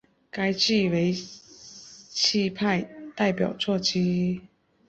该剧为戚派代表作之一。